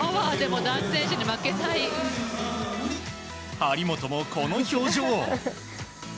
張本もこの表情。